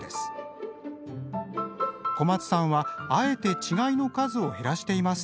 小松さんはあえて稚貝の数を減らしています。